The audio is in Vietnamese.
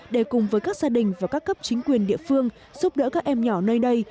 để cùng với các gia đình và các cấp chính quyền địa phương giúp đỡ các em nhỏ nơi đây